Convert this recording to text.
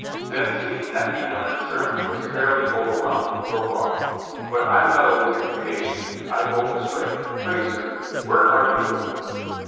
Then, seeing that the imminent sermon was fairly over whelmed, he broke off. "But I meddle with the creation. I go astray. Pray, sir, where are you going?"